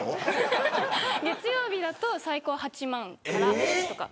月曜日だと最高８万からとか。